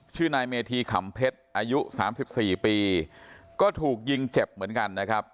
ชื่อนายเมธีขำเพชรอายุ๓๔ปีก็ถูกยิงเจ็บเหมือนกันนะครับ